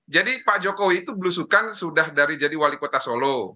jadi pak jokowi itu belusukan sudah dari jadi wali kota solo